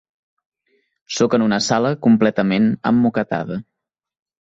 Sóc en una sala completament emmoquetada.